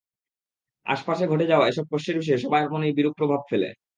আশপাশে ঘটে যাওয়া এসব কষ্টের বিষয় সবার মনেই বিরূপ প্রভাব ফেলে।